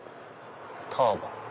「ターバン」。